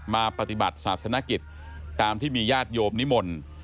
มาปฏิบัติศาสนกิจตามที่มีญาติโยมนิมนต์